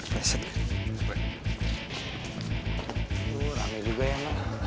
rame juga ya emang